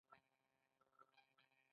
د بزګرۍ او کسبګرۍ وده د کار ویش لامل شوه.